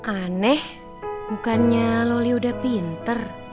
aneh bukannya loli udah pinter